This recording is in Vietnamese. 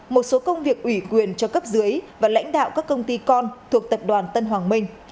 một số công việc ủy quyền cho cấp dưới và lãnh đạo các công ty con thuộc tập đoàn tân hoàng minh